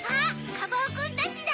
カバオくんたちだ。